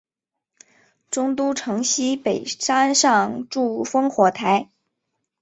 中都城西北山上筑烽火台。